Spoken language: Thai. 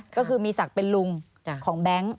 ก็คือมีศักดิ์เป็นลุงของแบงค์